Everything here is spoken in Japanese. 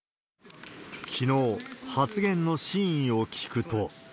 きのう、発言の真意を聞くと。